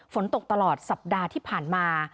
ฝนตกตลอดสัปดาห์ที่ผ่านมา